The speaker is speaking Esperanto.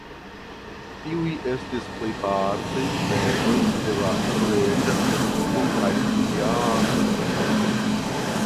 Tiuj estis plejparte membroj de la reĝa kortumo kaj familianoj.